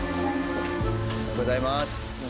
おはようございます。